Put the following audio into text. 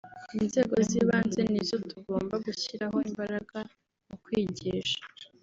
Inzego z’ibanze ni zo tugomba gushyiraho imbaraga mu kwigisha